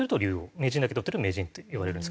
名人だけ取ってると「名人」といわれるんですけど。